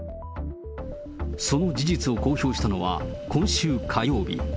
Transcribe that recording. その事実を公表したのは、今週火曜日。